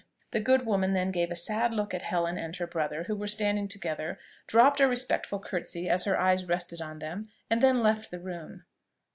The good woman then gave a sad look at Helen and her brother, who were standing together, dropped a respectful curtesy as her eyes rested on them, and then left the room.